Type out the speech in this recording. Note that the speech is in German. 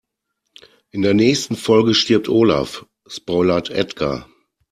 In der nächsten Folge stirbt Olaf, spoilert Edgar.